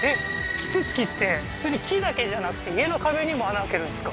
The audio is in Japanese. キツツキって普通に木だけじゃなくて家の壁にも穴開けるんですか？